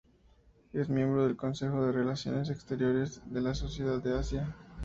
Es miembro del Consejo de Relaciones Exteriores y de la Sociedad de Asia.